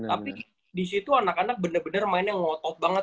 aber di situ anak anakasp west